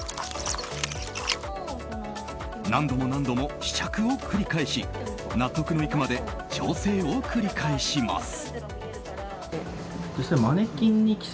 何度も何度も試着を繰り返し納得のいくまで調整を繰り返します。